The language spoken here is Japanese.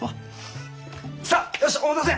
さっよしお待たせ！